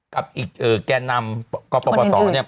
กับอีกแก่นำก็พบศ